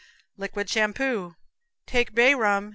Liquid Shampoo. Take bay rum.